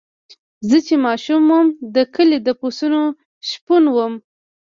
زه چې ماشوم وم د کلي د پسونو شپون وم.